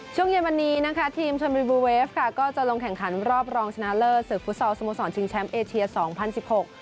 ช่วงเย็นวันนี้นะคะทีมชนบุรีบูเวฟค่ะก็จะลงแข่งขันรอบรองชนะเลิศศึกฟุตซอลสโมสรชิงแชมป์เอเชียสองพันสิบหก